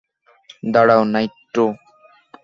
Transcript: দাঁড়া, নাইট্রো।